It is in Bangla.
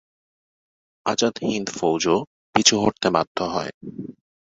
আজাদ হিন্দ ফৌজও পিছু হটতে বাধ্য হয়।